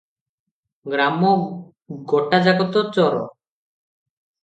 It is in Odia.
ଗ୍ରାମ ଗୋଟାଯାକ ତ ଚୋର